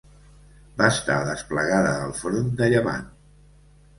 Va estar desplegada al front de Llevant.